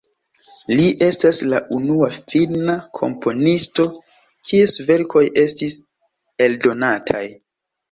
Li estas la unua finna komponisto, kies verkoj estis eldonataj.